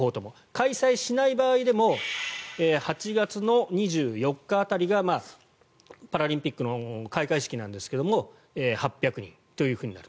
開催しない場合でも８月の２４日辺りがパラリンピックの開会式なんですが８００人というふうになる。